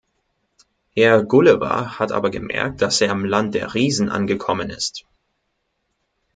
Herr Gulliver hat aber gemerkt, dass er im Land der Riesen angekommen ist.